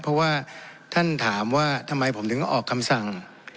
เพราะว่าท่านถามว่าทำไมผมถึงออกคำสั่ง